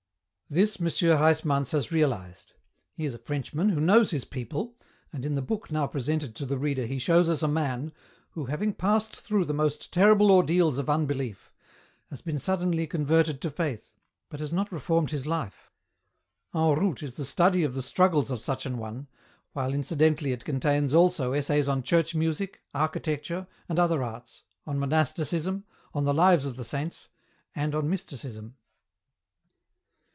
This M. Huysmans has reahzed : he is a Frenchman who knows his people, and in the book now presented to the reader he shows us a man, who having passed through the most terrible ordeals of unbeUef, has been suddenly con verted to faith, but has not reformed his life. " En Route " is a story of the struggles of such an one, while incidentally it contains also essays on Church music, Architecture, and ' other Arts, on Monasticism, on the Lives of the Saints, and on Mysticism.